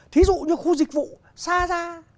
thí dụ như khu dịch vụ xa ra